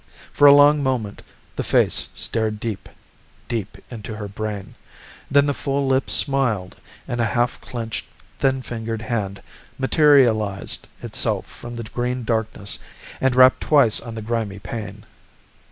For a long moment the face stared deep, deep into her brain. Then the full lips smiled and a half clenched, thin fingered hand materialized itself from the green darkness and rapped twice on the grimy pane.